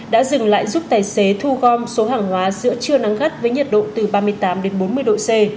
đã dừng lại giúp tài xế thu gom số hàng hóa giữa trưa nắng gắt với nhiệt độ từ ba mươi tám đến bốn mươi độ c